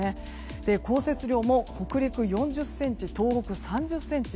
降雪量も北陸４０ｃｍ東北３０ｃｍ。